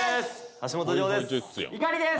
橋本涼です